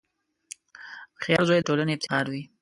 • هوښیار زوی د ټولنې افتخار وي.